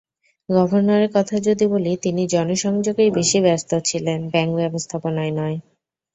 গভর্নরের কথা যদি বলি, তিনি জনসংযোগেই বেশি ব্যস্ত ছিলেন, ব্যাংক ব্যবস্থাপনায় নয়।